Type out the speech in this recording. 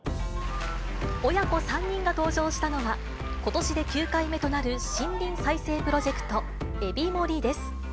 親子３人が登場したのが、ことしで９回目となる森林再生プロジェクト、エビモリです。